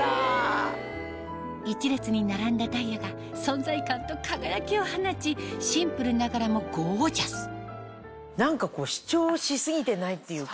１列に並んだダイヤが存在感と輝きを放ちシンプルながらもゴージャス何か主張し過ぎてないっていうか。